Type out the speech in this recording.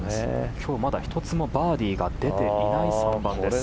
今日まだ１つもバーディーが出ていない３番です。